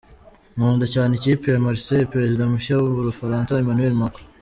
Nkunda cyane ikipe ya Marseille” Perezida mushya w’ u Bufaransa Emmanuel Macron.